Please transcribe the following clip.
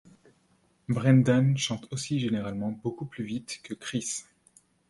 Brendan chante aussi généralement beaucoup plus vite que Chris.